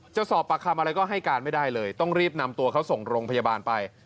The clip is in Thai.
จะสอบปากคำอะไรก็ให้การไม่ได้เลยต้องรีบนำตัวเขาส่งโรงพยาบาลไป